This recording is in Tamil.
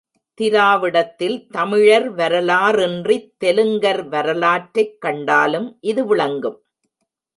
திராவிடத்தில் தமிழர் வரலாறின்றித் தெலுங்கர் வரலாற்றைக் கண்டாலும் இது விளங்கும்.